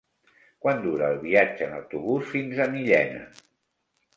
Quant dura el viatge en autobús fins a Millena?